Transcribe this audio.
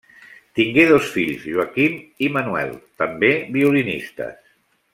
Tingué dos fills, Joaquim i Manuel, també violinistes.